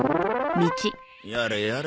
やれやれ。